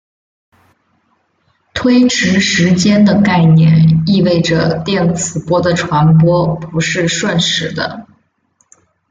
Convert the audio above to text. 推迟时间的概念意味着电磁波的传播不是瞬时的。